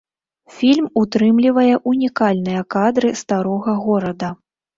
Фільм утрымлівае ўнікальныя кадры старога горада.